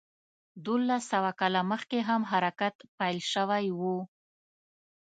دولس سوه کاله مخکې هم حرکت پیل شوی و.